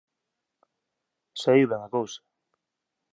Saíu ben a cousa.